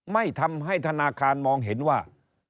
ไม่ทำให้ธนาคารมองเห็นว่า